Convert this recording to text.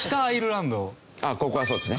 ここはそうですね。